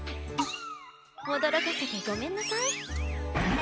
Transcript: おどろかせてごめんなさい。